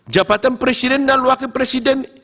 jabatan presiden dan wakil presiden